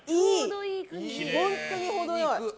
本当に程良い。